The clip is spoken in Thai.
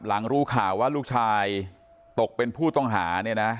รู้ข่าวว่าลูกชายตกเป็นผู้ต้องหาเนี่ยนะ